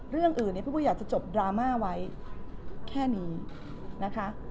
เรื่องอื่นเนี่ยพี่ปุ้ยอยากจะจบดราม่าไว้แค่นี้นะคะ